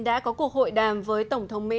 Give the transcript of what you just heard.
đã có cuộc hội đàm với tổng thống mỹ